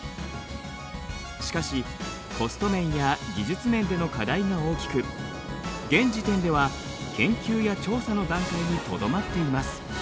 しかしコスト面や技術面での課題が大きく現時点では研究や調査の段階にとどまっています。